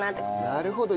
なるほど。